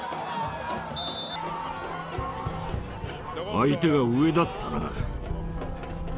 相手が上だったな。